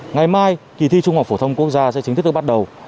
ngày mai kỳ thi trung học phổ thông quốc gia sẽ chính thức được bắt đầu